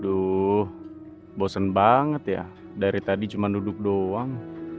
aduhh bosen banget ya dari tadi cuman duduk doang